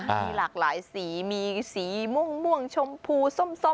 มีหลากหลายสีมีสีม่วงชมพูส้ม